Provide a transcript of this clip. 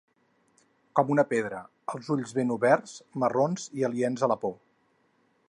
Com una pedra, els ulls ben oberts, marrons i aliens a la por.